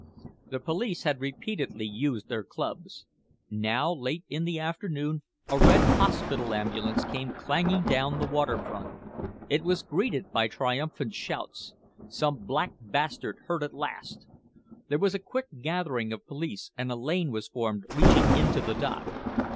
The police had repeatedly used their clubs. Now late in the afternoon a red hospital ambulance came clanging down the waterfront. It was greeted by triumphant shouts. "Some black bastard hurt at last!" There was a quick gathering of police and a lane was formed reaching into the dock.